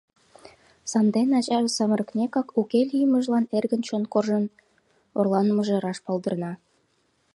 Сандене ачаже самырыкнекак уке лиймыжлан эргын чон коржын орланымыже раш палдырна.